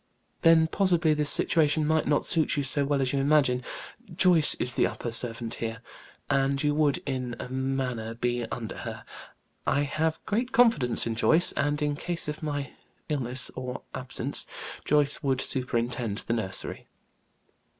"Then possibly this situation might not suit you so well as you imagine. Joyce is the upper servant here, and you would, in a manner, be under her. I have great confidence in Joyce; and in case of my illness or absence, Joyce would superintend the nursery."